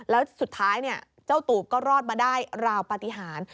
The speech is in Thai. แล้วสุดท้ายเจ้าตูบก็รอดมาได้ราวปฏิหาร